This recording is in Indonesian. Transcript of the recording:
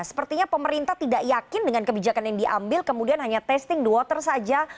sepertinya pemerintah tidak yakin dengan kebijakan yang diambil kemudian hanya testing the water saja